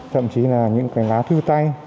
thậm chí là những cái lá thư tay